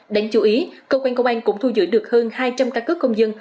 đáng chú ý cơ quan công an cũng thu giữ được hơn hai trăm linh căn cứ công dân